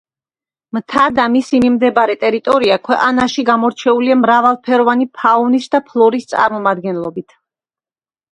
მთა და მისი მიმდებარე ტერიტორია ქვეყანაში გამორჩეულია მრავალფეროვანი ფაუნის და ფლორის წარმომადგენლებით.